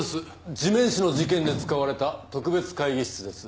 地面師の事件で使われた特別会議室です。